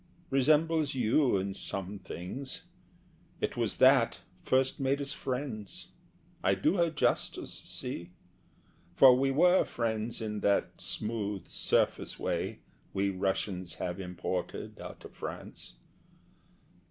Resembles you in some things. It was that First made us friends. I do her justice, see! For we were friends in that smooth surface way We Russians have imported out of France.